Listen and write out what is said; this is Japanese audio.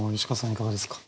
いかがですか？